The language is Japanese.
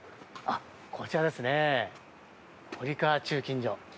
こちらですね、堀川鋳金所。